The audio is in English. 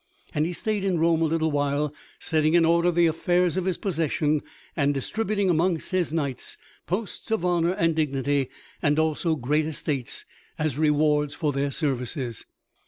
And he stayed in Rome a little while, setting in order the affairs of his possession, and distributing among his knights posts of honor and dignity, and also great estates, as rewards for their services.